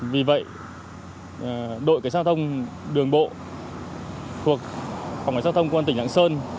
vì vậy đội cảnh sát giao thông đường bộ thuộc phòng cảnh sát giao thông công an tỉnh lạng sơn